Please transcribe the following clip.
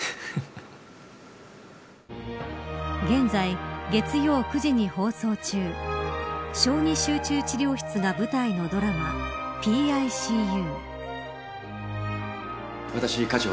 現在月曜９時に放送中小児集中治療室が舞台のドラマＰＩＣＵ。